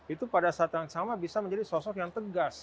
itu pada saat yang sama bisa menjadi sosok yang tegas